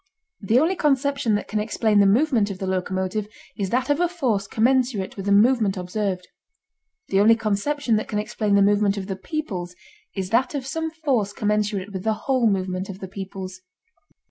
The only conception that can explain the movement of the locomotive is that of a force commensurate with the movement observed. The only conception that can explain the movement of the peoples is that of some force commensurate with the whole movement of the peoples.